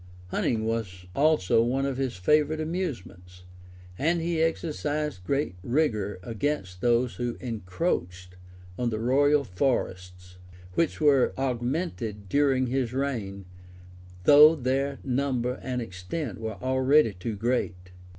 [*] Hunting was also one of his favorite amusements; and he exercised great rigor against those who encroached on the royal forests, which were augmented during his reign,[] though their number and extent were already too great.